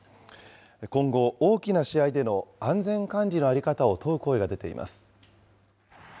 今後、大きな試合での安全管理の在り方を問う声が出ています。